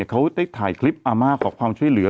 เขาได้ถ่ายคลิปอาม่าขอความช่วยเหลือ